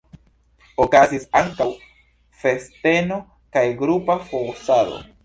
Okazis ankaŭ festeno kaj grupa fotado.